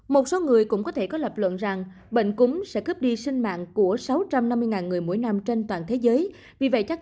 một số người cũng có thể có lập luận rằng bệnh cúng sẽ cướp đi sinh mạng của sáu trăm năm mươi người mỗi năm